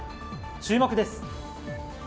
注目です。